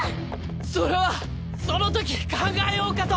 それはそのとき考えようかと。